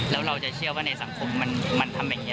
แล้วเราจะเชื่อว่าในสังคมมันทำอย่างนี้